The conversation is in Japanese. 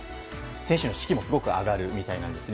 選手の士気もすごく上がるみたいなんですね。